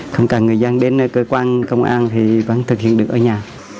không cần người dân đến cơ quan công an thì vẫn thực hiện được ở nhà